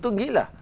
tôi nghĩ là